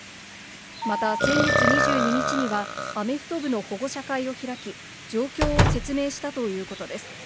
また、先月２２日には、アメフト部の保護者会を開き、状況を説明したということです。